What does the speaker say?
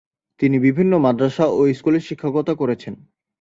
তিনি বিভিন্ন মাদ্রাসা ও স্কুলে শিক্ষকতা করেছেন।